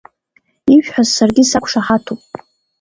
Ишәҳәаз саргьы сақәшаҳаҭуп.